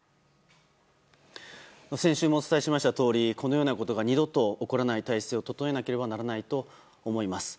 先週もお伝えしましたとおりこのようなことが二度と行われない体制を整えなければならないと思います。